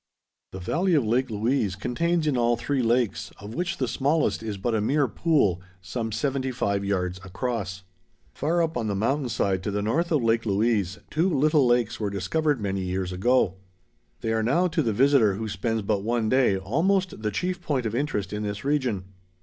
The valley of Lake Louise contains in all three lakes, of which the smallest is but a mere pool, some seventy five yards across. Far up on the mountain side to the north of Lake Louise two little lakes were discovered many years ago. They are now to the visitor who spends but one day, almost the chief point of interest in this region.